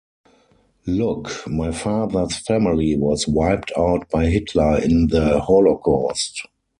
Look, my father's family was wiped out by Hitler in the Holocaust.